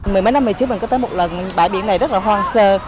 mười mấy năm về trước mình có tới một lần bãi biển này rất là hoang sơ